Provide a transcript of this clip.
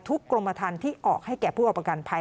กรมฐานที่ออกให้แก่ผู้เอาประกันภัย